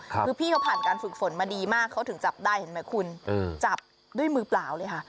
คือพี่เขาผ่านการฝึกฝนมาดีมากเขาถึงจับได้เห็นไหมคุณจับด้วยมือเปล่าเลยค่ะ